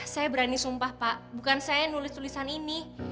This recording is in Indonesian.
saya berani sumpah pak bukan saya nulis tulisan ini